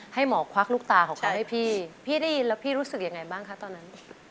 ให้หมอควักลูกตาของเขาให้พี่พี่ได้ยินแล้วพี่รู้สึกยังไงบ้างคะตอนนั้น